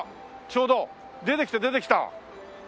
ちょうど出てきた出てきた！